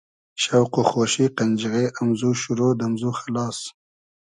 شۆق و خۉشی قئنجیغې امزو شورۉ, دئمزو خئلاس